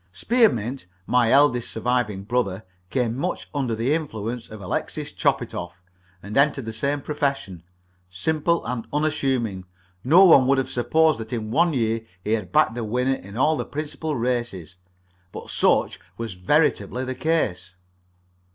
Spearmint, my eldest surviving brother, came much under the influence of Alexis Chopitoff, and entered the same profession. Simple and unassuming, no one would have supposed that in one year he had backed the winner in all the principal races. But such was veritably the case.